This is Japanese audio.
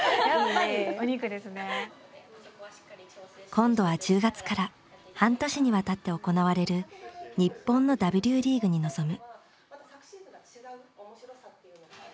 今度は１０月から半年にわたって行われる日本のＷリーグに臨む。